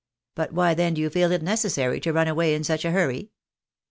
But why then do you feel it necessary to run away in such a hurry?